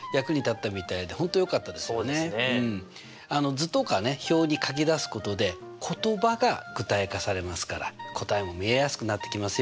図とか表に書き出すことで言葉が具体化されますから答えも見えやすくなってきますよ。